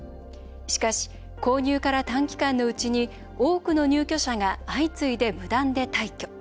しかし、購入から短期間のうちに多くの入居者が相次いで無断で退去。